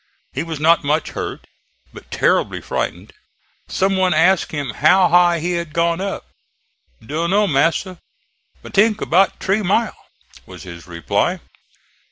He was not much hurt, but terribly frightened. Some one asked him how high he had gone up. "Dun no, massa, but t'ink 'bout t'ree mile," was his reply.